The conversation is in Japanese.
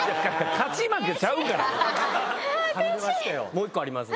もう１個あります。